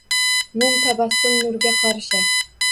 Nim tabassum nurga qorishar.